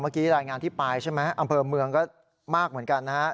เมื่อกี้รายงานที่ปายใช่ไหมอำเภอเมืองก็มากเหมือนกัน